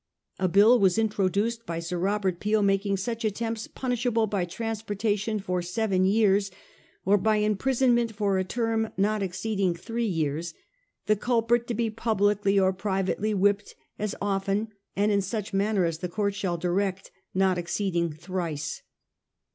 A bill was introduced by Sir Robert Peel making such attempts punishable by transportation for seven years, or by imprisonment for a term not exceeding three years, ' the culprit to be publicly or privately whipped as often and in such manner as the court shall direct, not exceeding thrice.